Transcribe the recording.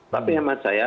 tapi yang menurut saya